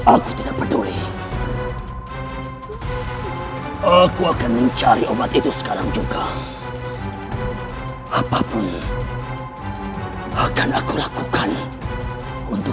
aku tidak peduli aku akan mencari obat itu sekarang juga apapun akan aku lakukan untuk